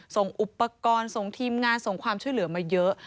ส่งอุปกรณ์ส่งทีมงานส่งความช่วยเหลือมาเยอะ